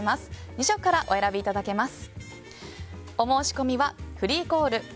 ２色からお選びいただけます。